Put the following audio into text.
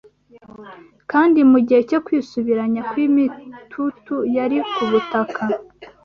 kandi mu gihe cyo kwisubiranya kw’imitutu yari ku butaka